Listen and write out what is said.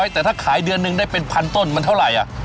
แต่ถ้าขายเดือนหนึ่งได้เป็นพันต้นมันเท่าไหร่